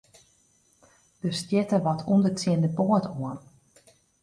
Der stjitte wat ûnder tsjin de boat oan.